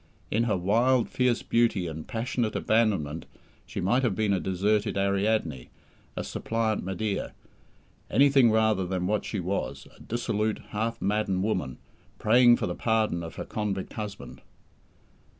In her wild, fierce beauty and passionate abandonment she might have been a deserted Ariadne a suppliant Medea. Anything rather than what she was a dissolute, half maddened woman, praying for the pardon of her convict husband.